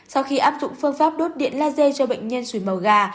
sau khi áp dụng phương pháp đốt điện laser cho bệnh nhân sùi màu gà